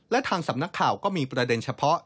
และทางสำนักข่าวก็มีประเด็นเฉพาะ